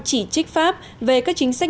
chỉ trích pháp về các chính sách